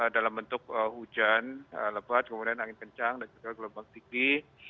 dalam bentuk hujan lebat kemudian angin kencang dan juga gelombang tinggi